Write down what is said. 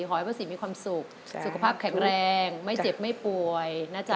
ขอให้พระศรีมีความสุขสุขภาพแข็งแรงไม่เจ็บไม่ป่วยนะจ๊ะ